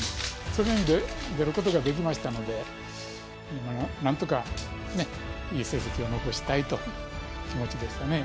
その意味で出ることができましたのでなんとかねいい成績を残したいという気持ちでしたね。